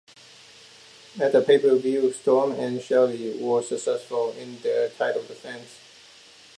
At the pay-per-view, Storm and Shelley were successful in their title defense.